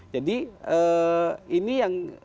jadi ini yang